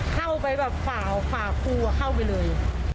เข้าไปแบบฝ่าครูเข้าไปเลย